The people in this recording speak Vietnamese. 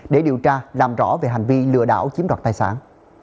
để điều tra làm rõ về hành vi lừa đảo chiếm đoạt tài sản